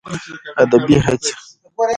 ادبي هڅې